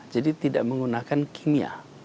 jadi tidak menggunakan kimia